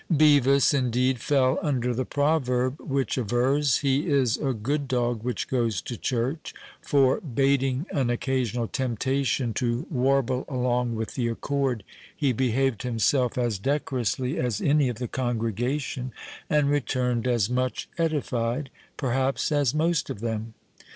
Bevis, indeed, fell under the proverb which avers, "He is a good dog which goes to church;" for, bating an occasional temptation to warble along with the accord, he behaved himself as decorously as any of the congregation, and returned as much edified, perhaps, as most of them.